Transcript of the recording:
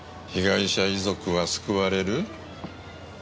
被害者遺族は救われる？